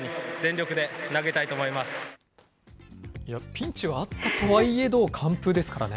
ピンチはあったとはいえど、完封ですからね。